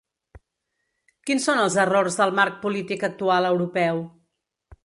Quins són els errors del marc polític actual europeu?